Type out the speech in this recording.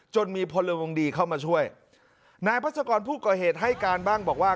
มีพลวงดีเข้ามาช่วยนายพัศกรผู้ก่อเหตุให้การบ้างบอกว่า